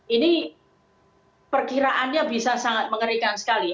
ini perkiraannya bisa sangat mengerikan sekali